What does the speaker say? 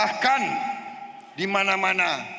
bahkan di mana mana